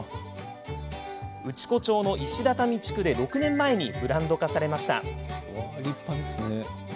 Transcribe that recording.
内子町の石畳地区で６年前にブランド化されました。